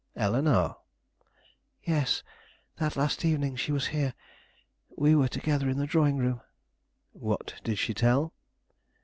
"Eleanore?" "Yes, that last evening she was here; we were together in the drawing room." "What did she tell?"